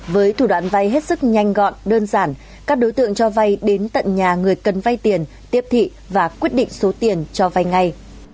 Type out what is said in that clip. với thủ đoạn vay hết sức nhanh gọn đơn giản các đối tượng cho vay đến tận nhà người cần vay tiền tiếp thị và quyết định số tiền cho vay ngay